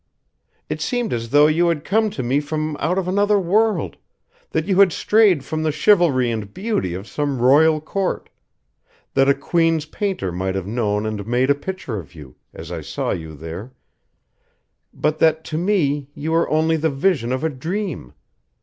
It seemed as though you had come to me from out of another world, that you had strayed from the chivalry and beauty of some royal court, that a queen's painter might have known and made a picture of you, as I saw you there, but that to me you were only the vision of a dream.